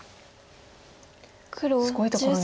すごいところに。